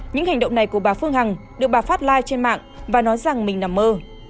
những hành động này của bà phương hằng được bà phát lai trên mạng và nói rằng mình nằm mơ